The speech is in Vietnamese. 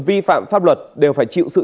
vi phạm pháp luật đều phải chịu sự